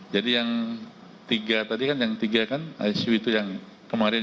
jadi yang tiga tadi kan yang tiga kan icu itu yang kemarin